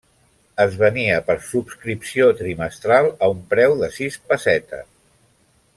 Es venia per subscripció trimestral a un preu de sis pessetes.